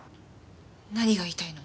何が言いたいの？